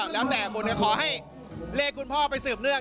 แล้วแต่บุตรขอให้เลขคุณพ่อไปสืบเนื่อง